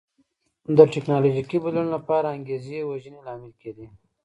د ټکنالوژیکي بدلونونو لپاره انګېزې وژنې لامل کېده.